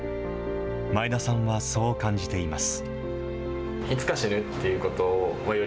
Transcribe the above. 前田さんはそう感じています。